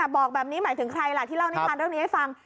บอกแบบนี้หมายถึงใครล่ะที่เล่านิทานเรื่องนี้ให้ฟัง